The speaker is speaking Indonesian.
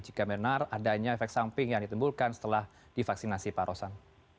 jika benar adanya efek samping yang ditimbulkan setelah divaksinasi pak rosan